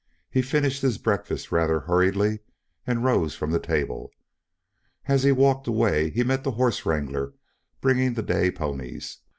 He finished his breakfast rather hurriedly and rose from the table. As he walked away he met the horse wrangler bringing the day ponies.